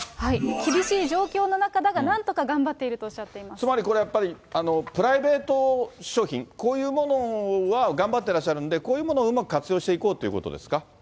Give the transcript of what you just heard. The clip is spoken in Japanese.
厳しい状況の中だが、なんとか頑張っているとおっしゃっていつまり、これ、やっぱりプライベート商品、こういうものは頑張ってらっしゃるんで、こういうものをうまく活用していこうってことですか？